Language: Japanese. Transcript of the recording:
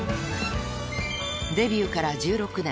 ［デビューから１６年］